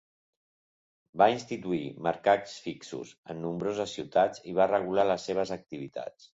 Va instituir mercats fixos en nombroses ciutats i va regular les seves activitats.